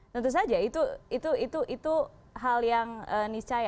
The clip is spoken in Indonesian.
tentu saja itu hal yang niscaya